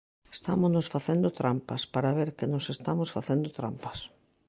Estámonos facendo trampas, para ver que nos estamos facendo trampas.